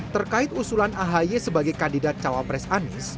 terkait usulan ahy sebagai kandidat cawa pres anies